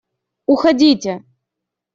Уходите!..